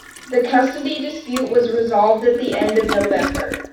The custody dispute was resolved at the end of November.